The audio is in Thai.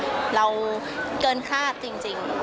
เราเกินคาดจริง